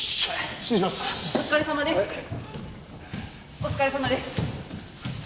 お疲れさまです。